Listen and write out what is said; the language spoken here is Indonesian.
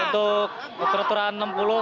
untuk peraturan enam puluh